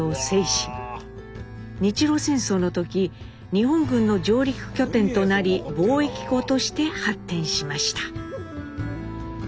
日露戦争の時日本軍の上陸拠点となり貿易港として発展しました。